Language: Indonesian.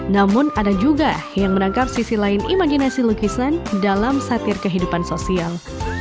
namun ada juga yang menangkap sisi lain imajinasi lukisan dalam satir kehidupan sosial